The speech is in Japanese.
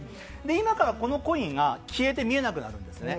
今からこのコインが消えて見えなくなるんですね。